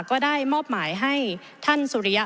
ก็ได้มอบหมายให้ท่านสุริยะ